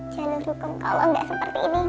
saya yakin allah akan membantumu